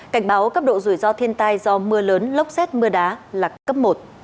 cảnh báo cấp độ rủi ro thiên tai do mưa lớn lốc xét mưa đá là cấp một